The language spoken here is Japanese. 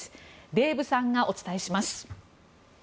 デーブさんがお伝えします。